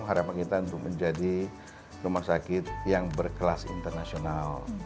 harapan kita untuk menjadi rumah sakit yang berkelas internasional